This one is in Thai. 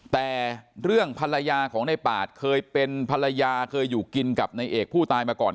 แต่เรื่องภรรยาของในปาดเคยเป็นภรรยาเคยอยู่กินกับนายเอกผู้ตายมาก่อน